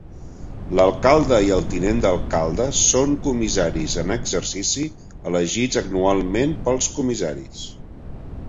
L'alcalde i el tinent d'alcalde són comissaris en exercici elegits anualment pels comissaris.